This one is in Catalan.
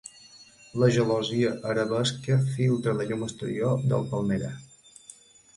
La gelosia arabesca filtra la llum exterior del palmerar.